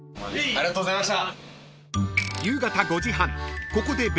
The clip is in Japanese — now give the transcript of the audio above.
ありがとうございます。